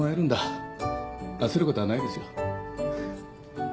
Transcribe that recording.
焦ることはないですよ。